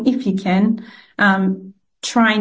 kita mencoba untuk menggunakan pakaian boring